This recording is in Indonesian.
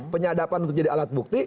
penyadapan untuk jadi alat bukti